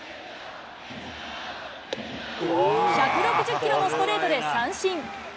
１６０キロのストレートで三振。